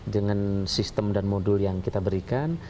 dengan sistem dan modul yang kita berikan